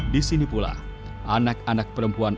disini pula anak anak perempuan